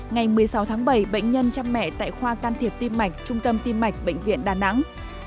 ngày một mươi sáu tháng bảy bệnh nhân chăm mẹ tại khoa can thiệp tim mạch trung tâm tim mạch bệnh viện đà nẵng